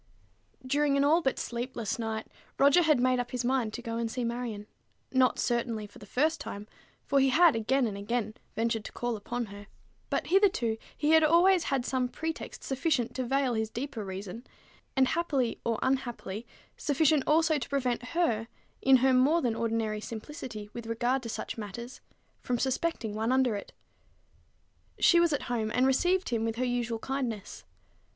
During an all but sleepless night, Roger had made up his mind to go and see Marion: not, certainly, for the first time, for he had again and again ventured to call upon her; but hitherto he had always had some pretext sufficient to veil his deeper reason, and, happily or unhappily, sufficient also to prevent her, in her more than ordinary simplicity with regard to such matters, from suspecting one under it. She was at home, and received him with her usual kindness.